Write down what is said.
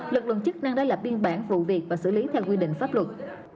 lực lượng chức năng đó là biên bản vụ việc và xử lý theo quy định pháp luật